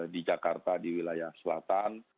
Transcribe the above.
di jakarta di wilayah selatan